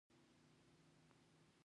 بنسټونه دې په ښه توګه پرمختګ وکړي.